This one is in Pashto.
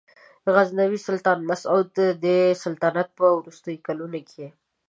غزنوي سلطان مسعود د سلطنت په وروستیو کلونو کې.